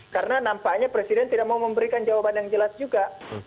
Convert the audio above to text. karena nampaknya presiden tidak mau memberikan jawaban yang jelas juga